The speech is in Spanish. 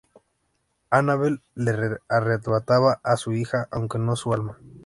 Annabelle le "arrebata" a su hija aunque no su alma.